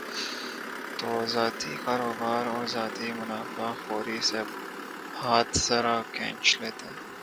تو ذاتی کاروبار اور ذاتی منافع خوری سے ہاتھ ذرا کھینچ لیتے۔